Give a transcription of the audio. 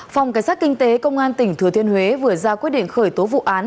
phòng cảnh sát kinh tế công an tỉnh thừa thiên huế vừa ra quyết định khởi tố vụ án